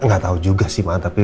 gak tau juga sih ma tapi